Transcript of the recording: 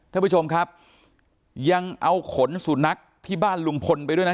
ท่านผู้ชมครับยังเอาขนสุนัขที่บ้านลุงพลไปด้วยนะ